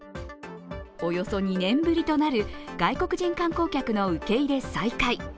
およそ２年ぶりとなる外国人観光客の受け入れ再開。